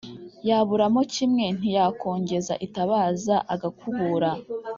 yaburamo kimwe ntiyakongeza itabaza agakubura